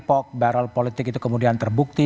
pock barrel politik itu kemudian terbukti